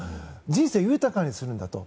人生を豊かにするんだと。